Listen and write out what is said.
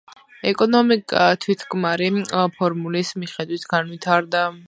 ეკონომიკა თვითკმარი ფორმულის მიხედვით განვითარდა.